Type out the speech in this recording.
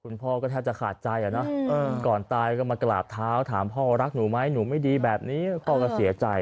พ่อก็แทบจะขาดใจอะนะก่อนตายก็มากราบเท้าถามพ่อรักหนูไหมหนูไม่ดีแบบนี้พ่อก็เสียใจ